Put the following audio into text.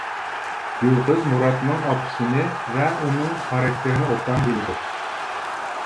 گۈلقىز مۇراتنىڭ ئاپىسىنى ۋە ئۇنىڭ خاراكتېرىنى ئوبدان بىلىدۇ.